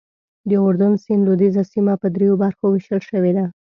د اردن سیند لوېدیځه سیمه په دریو برخو ویشل شوې ده.